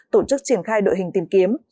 tổ chức triển khai đội hình tìm kiếm